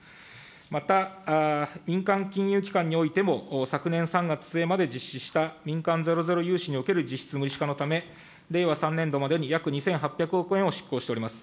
また、民間金融機関においても、昨年３月末まで実施した民間ゼロゼロ融資における実質無利子化のため、令和３年度までに約２８００億円を執行しております。